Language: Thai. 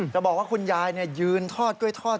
จะบอกว่าคุณยายยืนทอดกล้วยทอด